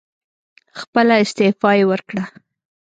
خپله استعفی یې ورکړه.